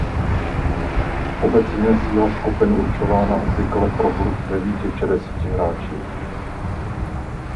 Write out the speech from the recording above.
Obecně je síla skupin určována obvykle pro hru v devíti či desíti hráčích.